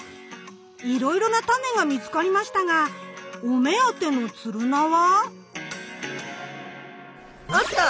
いろいろなタネが見つかりましたがお目当てのツルナは？あった！